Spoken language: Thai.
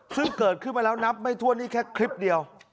ซึ่งเกิดขึ้นมาแล้วนับไม่ถ้วนนี่แค่คลิปเดียว